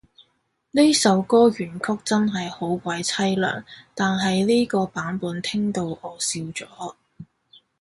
呢首歌原曲真係好鬼淒涼，但係呢個版本聽到我笑咗